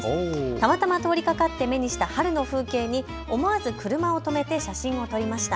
たまたま通りかかって目にした春の風景に思わず車を止めて写真を撮りました。